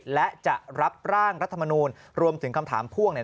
และจะรับร่างรัฐธรรมนุนรวมถึงคำถามพ่วง